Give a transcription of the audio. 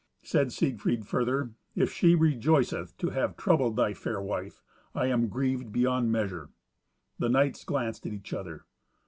Said Siegfried further, "If she rejoiceth to have troubled thy fair wife, I am grieved beyond measure." The knights glanced at each other.